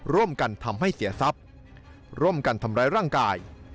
ร่วมกันทำให้เสียทรัพย์ร่วมกันทำร้ายร่างกาย